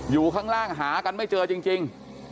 อยู่ข้างล่างหากันไม่เจอจริง